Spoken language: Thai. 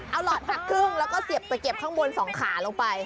เอาหลอดหักครึ่งแล้วก็เสียบตะเก็บข้างบน๒ขาลงไป